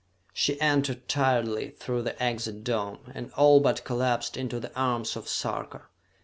She entered tiredly through the exit dome, and all but collapsed into the arms of Sarka.